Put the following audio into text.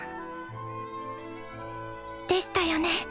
でしたよね